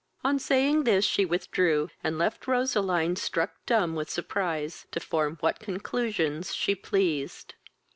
On saying this, she withdrew, and left Roseline, struck dumb with surprise, to form what conclusions she pleased.